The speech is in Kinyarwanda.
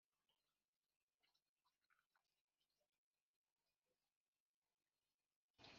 nta kinyabiziga gifite moteri gishobora kugenda ahamanuka